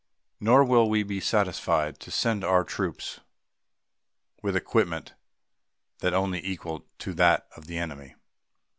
Nor will we be satisfied to send our troops with equipment only equal to that of the enemy.